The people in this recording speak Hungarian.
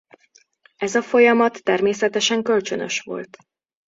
Ez a folyamat természetesen kölcsönös volt.